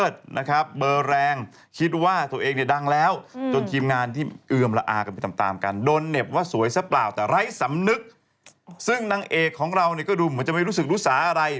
ซึ่งนางเอกของเราก็ดูเหมือนจะไม่รู้สึกรู้สาอะไร